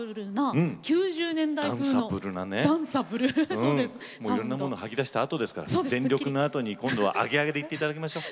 もういろんなもの吐き出したあとですから全力のあとに今度はアゲアゲでいって頂きましょう。